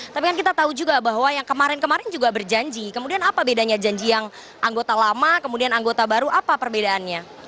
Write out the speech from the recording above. tapi kan kita tahu juga bahwa yang kemarin kemarin juga berjanji kemudian apa bedanya janji yang anggota lama kemudian anggota baru apa perbedaannya